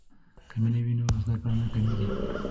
که مینه وي نو زده کړه نه کمیږي.